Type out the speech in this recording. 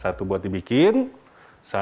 satu buat di apa ditukerin sama